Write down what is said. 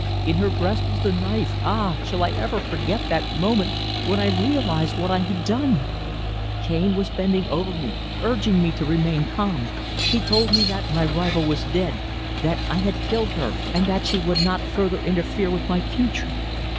In her breast was the knife. Ah, shall I ever forget that moment when I realised what I had done! Cane was bending over me, urging me to remain calm. He told me that my rival was dead that I had killed her and that she would not further interfere with my future.